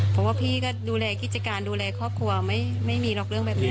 เพราะว่าพี่ก็ดูแลกิจการดูแลครอบครัวไม่มีหรอกเรื่องแบบนี้